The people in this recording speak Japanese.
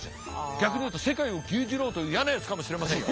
逆に言うと世界を牛耳ろうという嫌なやつかもしれませんよ。